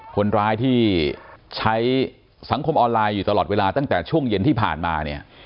คนร้ายที่ใช้สังคมออนไลน์อยู่ตลอดเวลาตั้งแต่ช่วงเย็นที่ผ่านมาเนี่ย